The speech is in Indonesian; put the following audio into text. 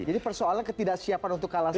jadi persoalan ketidaksiapan untuk kalah saja